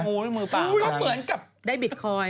กินงูหรือมือเปล่าครั้งนั้นได้บิทคอยล์